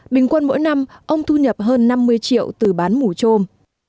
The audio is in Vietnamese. bình quân mỗi năm ông thu nhập hơn năm mươi triệu từ bán mủ trôm